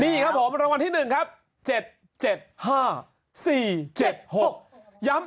นี่ครับผมรางวัลที่หนึ่งครับเจ็ดเจ็ดห้าสี่เจ็ดหกย้ำ